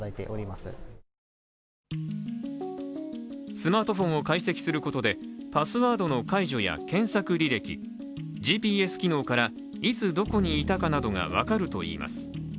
スマートフォンを解析することでパスワードの解除や検索履歴ＧＰＳ機能から、いつどこにいたかなどが分かるといいます。